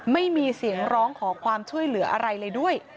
ไม่มีเสียงร้องขอความช่วยเหลืออะไรเลยด้วย